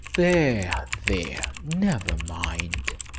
"There, there! never mind!"